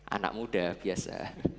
anak muda biasa